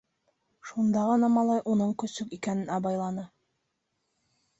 Шунда ғына малай уның көсөк икәнен абайланы.